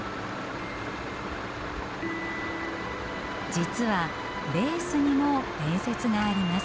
実はレースにも伝説があります。